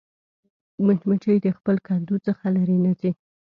مچمچۍ د خپل کندو څخه لیرې نه ځي